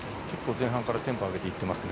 前半からテンポ上げていってますね。